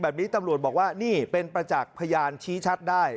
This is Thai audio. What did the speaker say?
แบบนี้ตำรวจบอกว่านี่เป็นประจักษ์พยานชี้ชัดได้